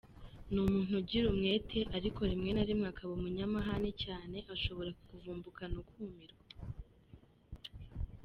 Ni umuntu ugira umwete ariko rimwe narimwe akaba umunyamahane cyane, ashobora kukuvumbukana ukumirwa.